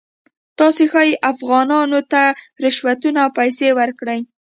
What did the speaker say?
تاسې ښایي افغانانو ته رشوتونه او پیسې ورکړئ.